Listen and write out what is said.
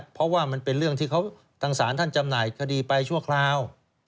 เพราะว่ามันเป็นเรื่องที่ทางศาลท่านจำหน่ายคดีไปชั่วคราว